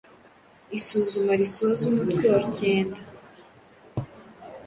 Isuzuma risoza umutwe wa kenda